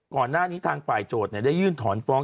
ก่อนหน้านี้ทางฝ่ายโจทย์ได้ยื่นถอนฟ้อง